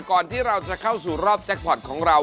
ก่อนที่เราจะเข้าสู่รอบแจ็คพอร์ตของเรา